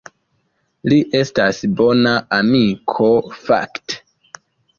Li estas bona amiko fakte.